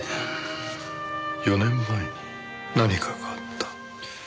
４年前に何かがあった。